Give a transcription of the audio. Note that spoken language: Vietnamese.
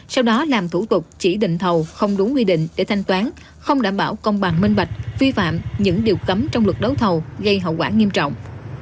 sau đó làm thủ tục chỉ định thầu không đúng quy định để thanh toán không đảm bảo công bằng minh bạch vi phạm những điều cấm trong luật đấu thầu gây hậu quả nghiêm trọng